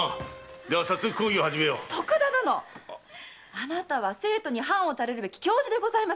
あなたは生徒に範を垂れるべき教授でございます！